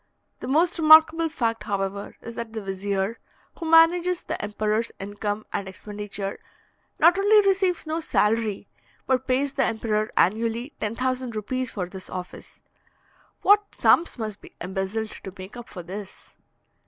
The most remarkable fact, however, is that the vizier, who manages the emperor's income and expenditure, not only receives no salary, but pays the emperor annually 10,000 rupees for this office. What sums must be embezzled to make up for this!